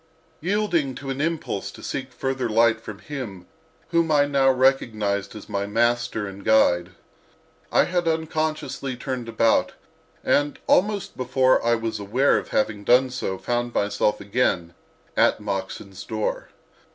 Yielding to an impulse to seek further light from him whom I now recognized as my master and guide, I had unconsciously turned about, and almost before I was aware of having done so found myself again at Moxon's door.